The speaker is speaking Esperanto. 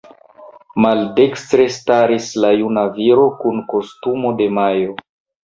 Maldekstre staris la "Juna Viro kun kostumo de majo".